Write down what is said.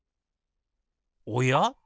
おや？